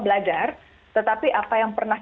belajar tetapi apa yang pernah